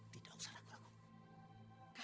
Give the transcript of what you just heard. tidak usah ragu ragu